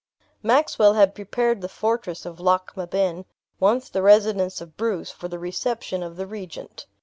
Maxwell had prepared the fortress of Lochmaben, once the residence of Bruce, for the reception of the regent.